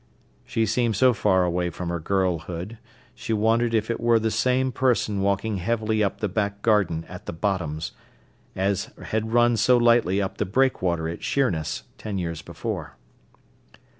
She seemed so far away from her girlhood, she wondered if it were the same person walking heavily up the back garden at the Bottoms as had run so lightly up the breakwater at Sheerness ten years before.